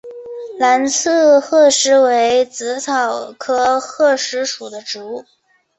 蓝刺鹤虱为紫草科鹤虱属的植物。